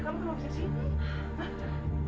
kamu kenapa disini